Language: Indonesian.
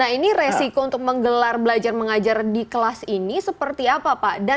nah ini resiko untuk menggelar belajar mengajar di kelas ini seperti apa pak